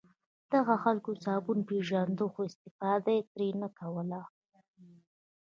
دغو خلکو صابون پېژانده خو استفاده یې نه ترې کوله.